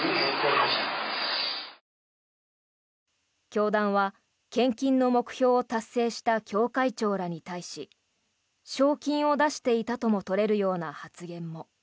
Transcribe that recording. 教団は献金の目標を達成した教会長らに対し賞金を出していたとも取れるような発言も。